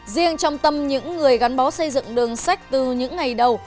riêng trong tâm những người gắn bó xây dựng đường sách từ những ngày đầu